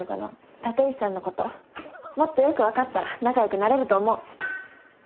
立石さんのこともっとよく分かったら仲良くなれると思う。